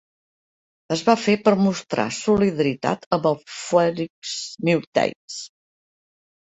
Es va fer per mostrar solidaritat amb el "Phoenix New Times".